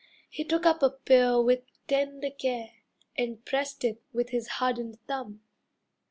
He took up a pear with tender care, And pressed it with his hardened thumb.